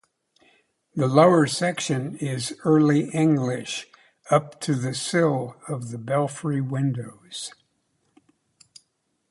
The lower section is Early English up to the sill of the belfry windows.